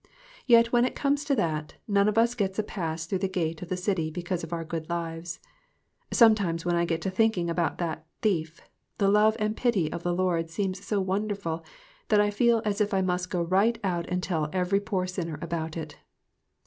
Yet when it comes to that, none of us gets a pass through the gate of the city because of our good lives. Sometimes when I get to thinking about that thief, the love and pity of the Lord seem so wonderful that I feel as if I must go right out and tell every poor sinner about it.